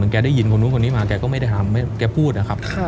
แกได้ยินคนนู้นคนนี้มาแกก็ไม่ได้แกพูดนะครับ